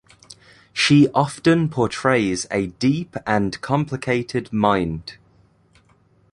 She often portrays a deep and complicated mind.